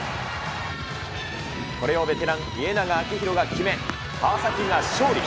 これをベテラン、家長昭博が決め、川崎が勝利。